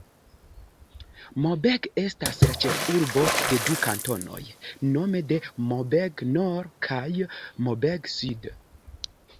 Maubeuge estas la ĉefurbo de du kantonoj, nome Maubeuge-Nord kaj Maubeuge-Sud.